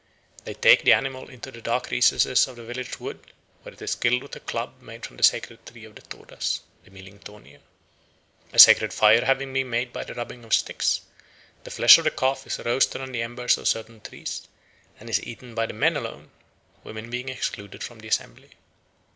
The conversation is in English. They take the animal into the dark recesses of the village wood, where it is killed with a club made from the sacred tree of the Todas (the Millingtonia). A sacred fire having been made by the rubbing of sticks, the flesh of the calf is roasted on the embers of certain trees, and is eaten by the men alone, women being excluded from the assembly.